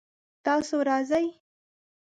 تاسو راځئ؟